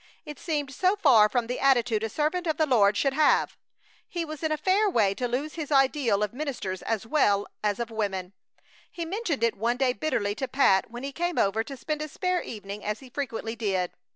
It seemed so far from the attitude a servant of the Lord should have. He was in a fair way to lose his ideal of ministers as well as of women. He mentioned it one day bitterly to Pat when he came over to spend a spare evening, as he frequently did.